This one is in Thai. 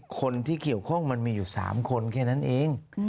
คนที่เกี่ยวข้องมันมีอยู่๓คนแค่นั้นเอง